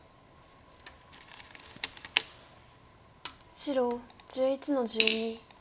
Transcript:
白１１の十二。